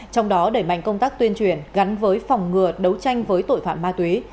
trong đó đẩy mạnh công tác tuyên truyền gắn với phòng ngừa đấu tranh với tội phạm ma túy